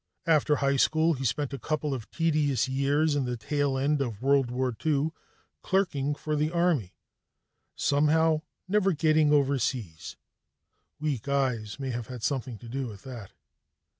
After high school, he spent a couple of tedious years in the tail end of World War II clerking for the Army, somehow never getting overseas; weak eyes may have had something to do with that.